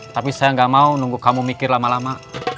tapi saya nggak mau nunggu kamu mikir lama lama